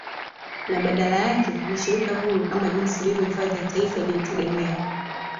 Na badala yake ni shirika huru kama jinsi ilivyo hifadhi ya aifa likijitegemea